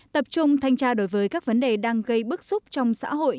tập trung thanh tra đối với các vấn đề đang gây bức xúc trong xã hội